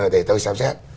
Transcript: để tôi xem xét